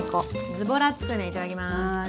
ズボラつくね、いただきます。